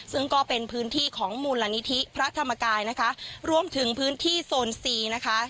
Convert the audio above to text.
ซึ่งก็เป็นพื้นที่ของมูลนิธิพระธรรมกายนะคะรวมถึงพื้นที่โซนซีนะคะ